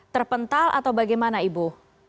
terpental atau bagaimana ibu